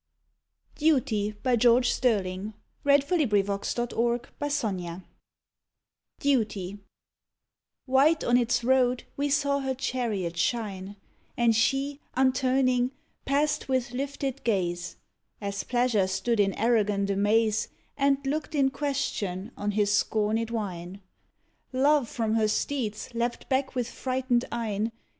shadows that abide. And music of the soul's dim under world. 91 DUTY White on its road we saw her chariot shine, And she, unturning, passed with lifted gaze, As Pleasure stood in arrogant amaze And looked in question on his scorned wine; Love from her steeds leapt back with frightened eyne.